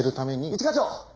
一課長！